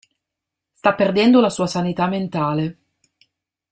Sta perdendo la sua sanità mentale.